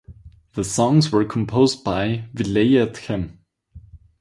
The songs were composed by Velayudham.